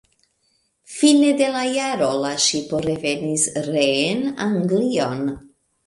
Fine de la jaro la ŝipo revenis reen Anglion.